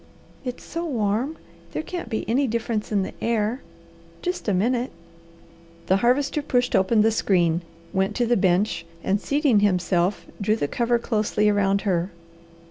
"It's so warm. There can't be any difference in the air. Just a minute." The Harvester pushed open the screen, went to the bench, and seating himself, drew the cover closely around her.